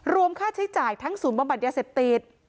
รวมค่าใช้จ่ายทั้งศูนย์บำบัดฟื้นฟูยาเสพติด